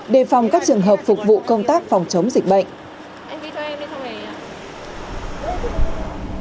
đề phòng các trường hợp phục vụ công tác phòng chống dịch bệnh